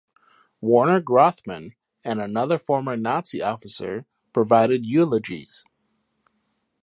Werner Grothmann and another former Nazi officer provided eulogies.